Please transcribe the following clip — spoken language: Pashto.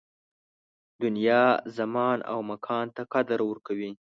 دنیا زمان او مکان ته قدر ورکوي